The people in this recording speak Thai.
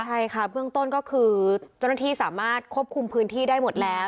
ใช่ค่ะเบื้องต้นก็คือเจ้าหน้าที่สามารถควบคุมพื้นที่ได้หมดแล้ว